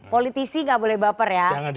politisi nggak boleh baper ya